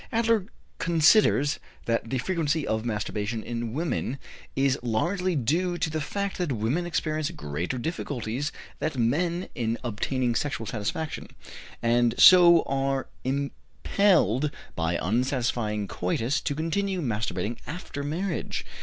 Adler considers that the frequency of masturbation in women is largely due to the fact that women experience greater difficulties than men in obtaining sexual satisfaction, and so are impelled by unsatisfying coitus to continue masturbation after marriage.